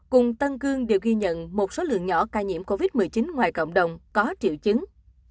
cùng tân cương đều ghi nhận một số lượng nhỏ ca nhiễm covid một mươi chín ngoài cộng đồng có triệu chứng